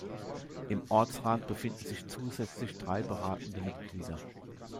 Im Ortsrat befinden sich zusätzlich drei beratende Mitglieder.